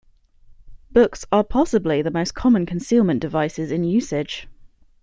Books are possibly the most common concealment devices in usage.